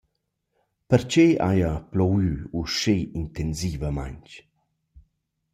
Perche haja plovü uschè intensivamaing?